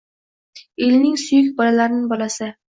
Elning suyuk bolalarin bolasi